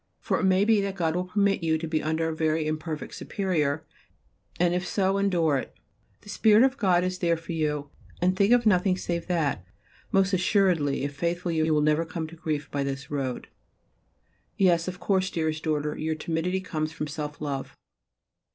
For it may be that God will permit you to be under a very imperfect Superior, and, if so, endure it. The spirit of God is there for you, and think of nothing save that. Most assuredly, if faithful you will never come to grief by this road. Yes, of course, dearest daughter, your timidity comes from self love.